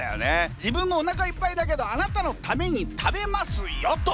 自分もおなかいっぱいだけどあなたのために食べますよと。